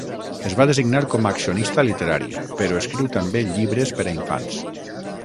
Es va designar com a accionista literari, però escriu també llibres per a infants.